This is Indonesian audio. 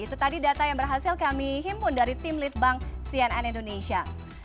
itu tadi data yang berhasil kami himpun dari tim litbang cnn indonesia